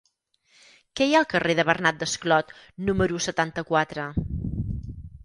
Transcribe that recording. Què hi ha al carrer de Bernat Desclot número setanta-quatre?